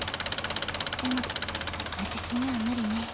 でも私には無理ね。